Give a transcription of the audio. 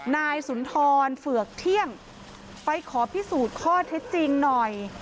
นายสุนทรเฝือกเที่ยงไปขอพิสูจน์ข้อเท็จจริงหน่อย